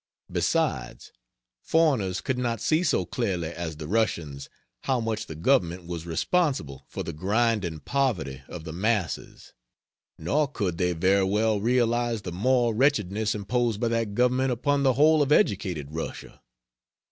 Besides, foreigners could not see so clearly as the Russians how much the Government was responsible for the grinding poverty of the masses; nor could they very well realize the moral wretchedness imposed by that Government upon the whole of educated Russia.